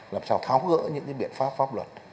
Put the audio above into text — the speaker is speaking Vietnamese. làm sao tháo gỡ những biện pháp pháp luật